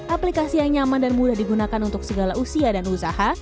aplikasi yang nyaman dan mudah digunakan untuk segala usia dan usaha